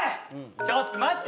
ちょっと待って！